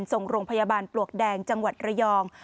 ส่งโรงพยาบาลปลวกแดงจังหวัดระยอง